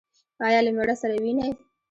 ایا له میړه سره وینئ؟